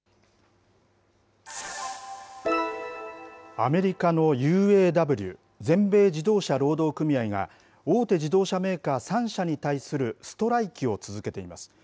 アメリカのＵＡＷ・全米自動車労働組合が、大手自動車メーカー３社に対するストライキを続けています。